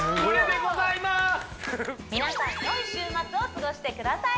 皆さんよい週末を過ごしてください